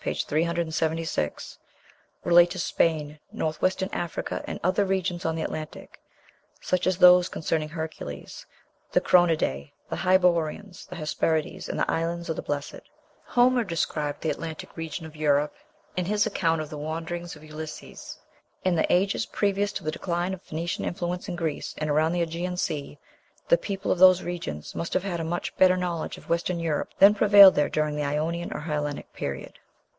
376), "relate to Spain, North western Africa, and other regions on the Atlantic, such as those concerning Hercules, the Cronidæ, the Hyperboreans, the Hesperides, and the Islands of the Blessed. Homer described the Atlantic region of Europe in his account of the wanderings of Ulysses.... In the ages previous to the decline of Phoenician influence in Greece and around the Ægean Sea, the people of those regions must have had a much better knowledge of Western Europe than prevailed there during the Ionian or Hellenic period."